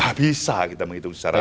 tak bisa kita menghitung secara maksimal